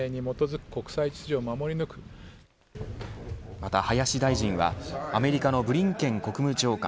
また林大臣はアメリカのブリンケン国務長官